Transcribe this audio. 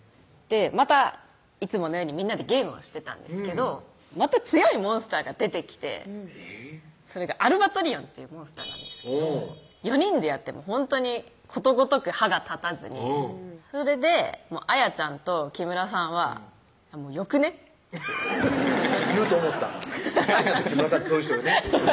またいつものようにみんなでゲームをしてたんですけどまた強いモンスターが出てきてえぇっそれがアルバトリオンっていうモンスターなんですけど４人でやってもほんとにことごとく歯が立たずにそれであやちゃんと木村さんは「もうよくね？」って言うと思ったあやちゃんと木村さんってそういう人よね